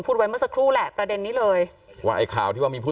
ไว้เมื่อสักครู่แหละประเด็นนี้เลยว่าไอ้ข่าวที่ว่ามีผู้